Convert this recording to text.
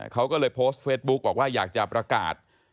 เขาก็เลยโพสต์เฟซบุ๊กบอกว่าอยากจะประกาศ